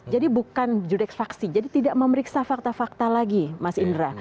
jadi bukan judek faksi jadi tidak memeriksa fakta fakta lagi mas indra